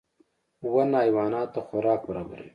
• ونه حیواناتو ته خوراک برابروي.